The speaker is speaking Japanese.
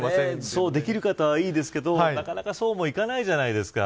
そうできる方はいいですけどなかなかそうもいかないじゃないですか。